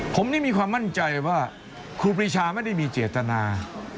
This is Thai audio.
ผมนี่มีความมั่นใจว่าครูปรีชาไม่ได้มีเจตนา